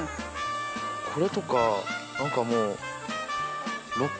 これとかなんかもう。